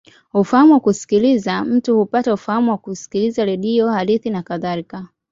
Ufahamu wa kusikiliza: mtu hupata ufahamu kwa kusikiliza redio, hadithi, nakadhalika.